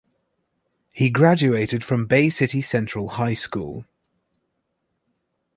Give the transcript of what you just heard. He graduated from Bay City Central High School.